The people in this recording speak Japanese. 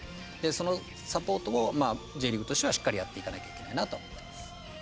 そのサポートをＪリーグとしてはしっかりやっていかなきゃいけないなと思ってます。